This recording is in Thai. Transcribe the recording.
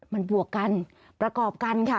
มันบวกกันประกอบกันค่ะ